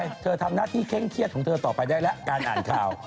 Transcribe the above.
มิวไปทำหน้าที่เข้งเคลียดของนายต่อไปได้ละ